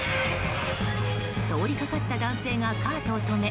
通りかかった男性がカートを止め